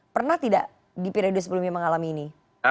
pernah tidak di periode sebelumnya mengalami ini